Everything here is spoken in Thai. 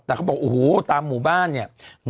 แต่บอกอูฮู้ตามหมู่บ้านเนี่ย